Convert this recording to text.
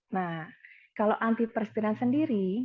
nah kalau antiperspiran sendiri